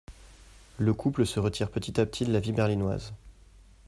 Le couple se retire petit à petit de la vie berlinoise.